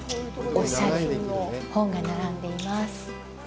おしゃれに本が並んでいます。